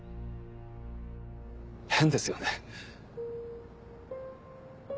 変ですよね？